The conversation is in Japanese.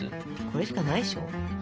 これしかないでしょ。